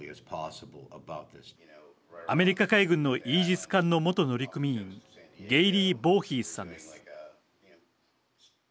アメリカ海軍のイージス艦の元乗組員ゲイリー・ボーヒースさんです。